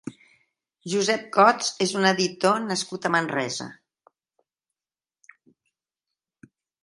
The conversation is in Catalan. Josep Cots és un editor nascut a Manresa.